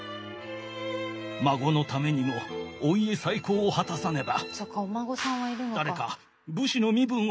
孫のためにもお家再興を果たさねば。